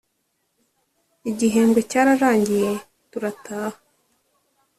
Igihembwe cyararangiye turataha